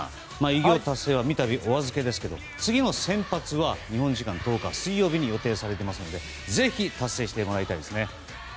偉業達成は三度お預けですが次の先発は日本時間１０日水曜日に予定されているのでぜひ達成してもらいたいですね。